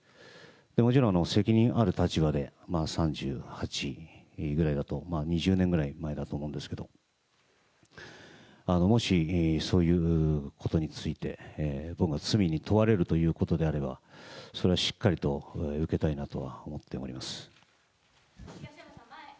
もちろん、責任ある立場で、３８ぐらいだと、２０年ぐらい前だと思うんですけど、もしそういうことについて、僕が罪に問われるということであれば、それはしっかりと受けたいなとは思っております。